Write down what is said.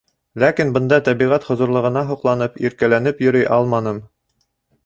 Ләкин бында тәбиғәт хозурлығына һоҡланып, иркәләнеп йөрөй алманым.